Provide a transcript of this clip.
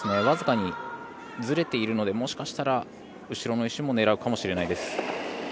僅かにずれているのでもしかしたら、後ろの石も狙うかもしれないです。